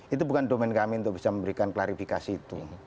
itu bukan domen kami untuk bisa memberikan klarifikasi itu